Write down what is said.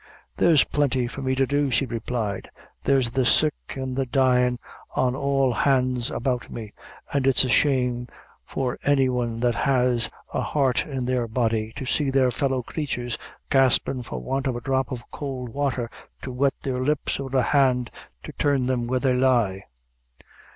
"There's plenty for me to do," she replied; "there's the sick an' the dyin' on all hands about me, an' it's a shame for any one that has a heart in their body, to see their fellow creatures gaspin' for want of a dhrop of cowld wather to wet their lips, or a hand to turn them where they lie.